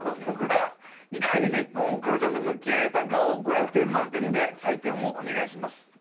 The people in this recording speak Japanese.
僕がいかにクロちゃんと向き合えたかを５００点満点で採点をお願いします。